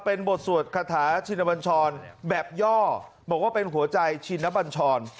เป็นบทสวดคาถาชินบัญชรแบบย่อบอกว่าเป็นหัวใจชินบัญชร